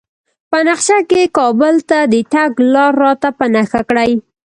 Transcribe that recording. په نقشه کې کابل ته د تګ لار راته په نښه کړئ